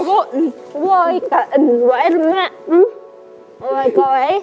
สู้ไหมลูก